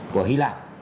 của hy lạp